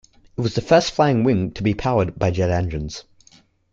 It was the first flying wing to be powered by jet engines.